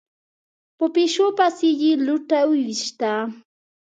په پيشو پسې يې لوټه وويشته.